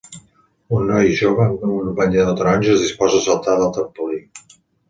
Un noi jove amb un banyador taronja es disposa a saltar del trampolí.